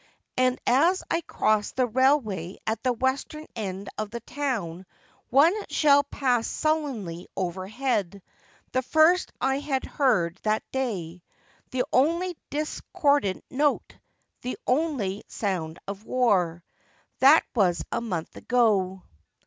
And as I crossed the railway at the western end of the town, one shell passed sullenly overhead, the first I had heard that day — the only discordant note, the only sound of war. That was a month ago.